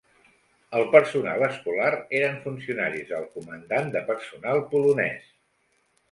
El personal escolar eren funcionaris del Comandant de Personal polonès.